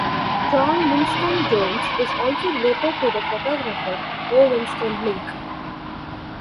John Winston Jones is also related to the photographer O. Winston Link.